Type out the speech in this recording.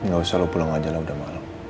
gak usah lu pulang aja lah udah malem